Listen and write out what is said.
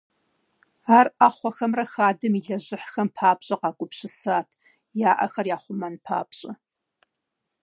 Ар ӏэхъуэхэмрэ хадэм илэжьыхьхэм папщӏэ къагупсысат, я ӏэхэр яхъумэн папщӏэ.